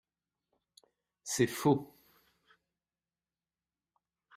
C’est faux